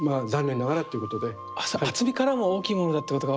厚みからも大きいものだってことが。